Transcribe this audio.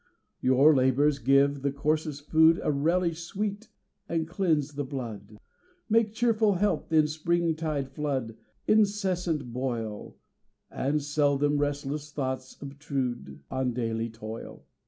Your labours give the coarsest food A relish sweet and cleanse the blood, Make cheerful health in spring tide flood Incessant boil, And seldom restless thoughts obtrude On daily toil.